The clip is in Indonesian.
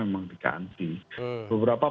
memang di ganti beberapa